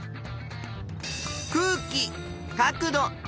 「空気」「角度」「水」